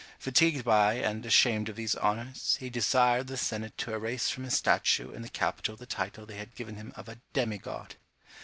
Fatigued by and ashamed of these honours, he desired the senate to erase from his statue in the capitol the title they had given him of a demi god!